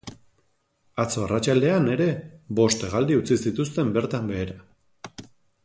Atzo arratsaldean ere bost hegaldi utzi zituzten bertan behera.